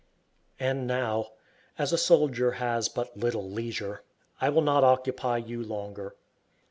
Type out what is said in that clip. And now, as a soldier has but little leisure, I will not occupy you longer.